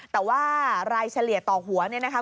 แต่ว่ารายเฉลียรต่อหัวนะคะ